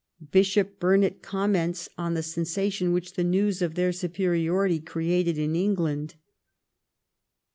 Bishop Burnet com ments on the sensation which the news of their superiority created in England.